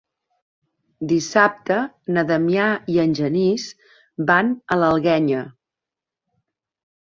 Dissabte na Damià i en Genís van a l'Alguenya.